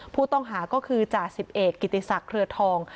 ผู้ต้องหาก็คือจ่าสิบเอกกิติศักดิ์เครือทอง